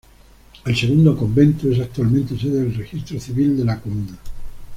El segundo convento es actualmente sede del Registro Civil de la Comuna.